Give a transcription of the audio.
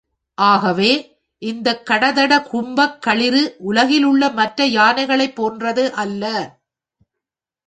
ஆகவே, இந்தக் கடதட கும்பக் களிறு, உலகத்திலுள்ள மற்ற யானைகளைப் போன்றது அல்ல.